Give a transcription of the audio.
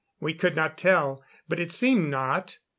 We could not tell, but it seemed not.